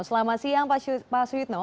selamat siang pak suyitno